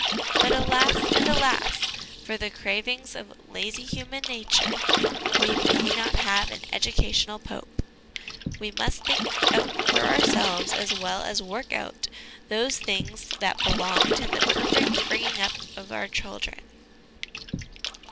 But, alas, and alas, for the cravings of lazy human nature we may not have an educational pope ; we must think out for ourselves, as well as work out, those things that belong to the perfect bringing up of our children.